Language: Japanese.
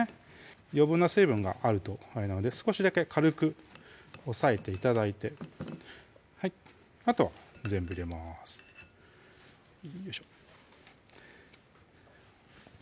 余分な水分があるとあれなので少しだけ軽く押さえて頂いてあとは全部入れますよいしょ